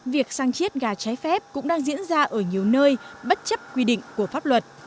việc sang chiết ga trái phép cũng đang diễn ra ở nhiều nơi bất chấp quy định của pháp luật